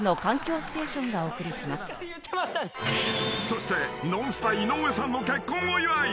［そしてノンスタ井上さんの結婚お祝い］